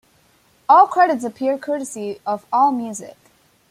All credits appear courtesy of AllMusic.